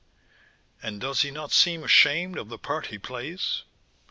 "And does he not seem ashamed of the part he plays?"